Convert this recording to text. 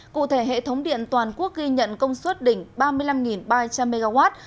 cụ thể hệ thống điện toàn quốc ghi nhận công suất đỉnh ba mươi năm ba trăm linh mw